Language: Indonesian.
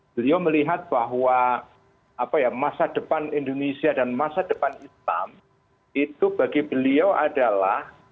beliau melihat bahwa masa depan indonesia dan masa depan islam itu bagi beliau adalah